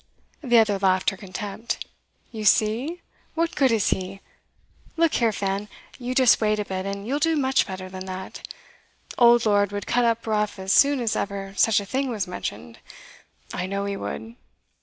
The other laughed her contempt. 'You see! What good is he? Look here, Fan, you just wait a bit, and you'll do much better than that. Old Lord would cut up rough as soon as ever such a thing was mentioned; I know he would.